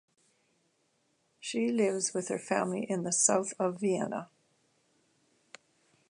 She lives with her family in the south of Vienna.